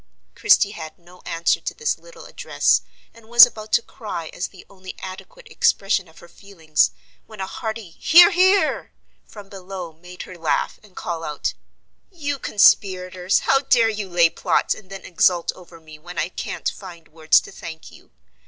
Christie had no answer to this little address, and was about to cry as the only adequate expression of her feelings, when a hearty "Hear! Hear!" from below made her laugh, and call out: "You conspirators! how dare you lay plots, and then exult over me when I can't find words to thank you?